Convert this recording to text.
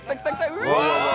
うわ！